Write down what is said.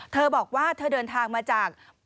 เธอบอกว่าเธอเดินทางมาจาก